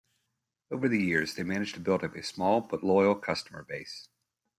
Over the years they managed to build up a small, but loyal customer-base.